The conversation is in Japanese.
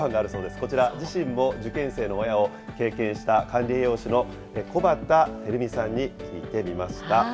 こちら、自身も受験生の親を経験した管理栄養士のこばたてるみさんに聞いてみました。